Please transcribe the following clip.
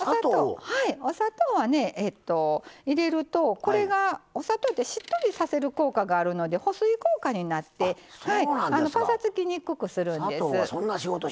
お砂糖は、入れるとお砂糖ってしっとりさせる効果があるので保水効果になってぱさつきにくくするんです。